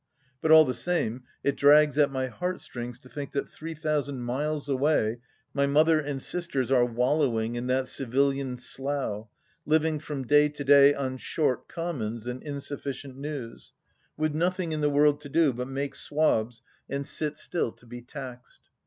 But all the same, it drags at my heart strings to think that, three thousand miles away, my mother and sisters are wallowing in that civilian slough, living from day to day on short commons and insufficient news, with nothing in the world to do but make swabs and sit still 3 4 THE LAST DITCH to be taxed.